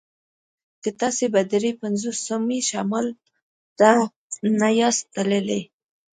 که تاسې د دري پنځوسمې شمال ته نه یاست تللي